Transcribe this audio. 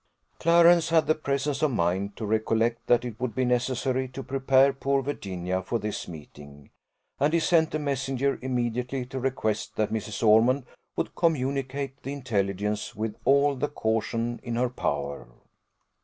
Clarence had the presence of mind to recollect that it would be necessary to prepare poor Virginia for this meeting, and he sent a messenger immediately to request that Mrs. Ormond would communicate the intelligence with all the caution in her power.